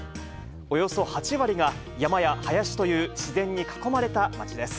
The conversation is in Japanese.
およそ８割が山や林という、自然に囲まれた町です。